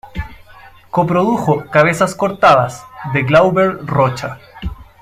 Coprodujo "Cabezas cortadas", de Glauber Rocha.